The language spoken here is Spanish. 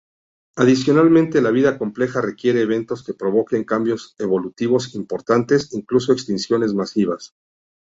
Adicionalmente, la vida compleja requiere eventos que provoquen cambios evolutivos importantes, incluso extinciones masivas.